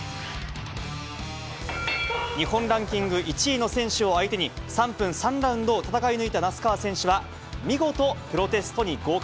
日本ランキング１位の選手を相手に、３分３ラウンドを戦い抜いた那須川選手は、見事、プロテストに合格。